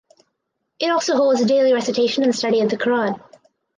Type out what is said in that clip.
It also holds daily recitation and study of the Quran.